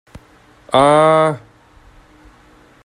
啊～